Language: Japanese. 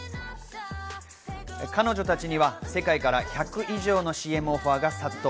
彼女たちには世界から１００以上のＣＭオファーが殺到。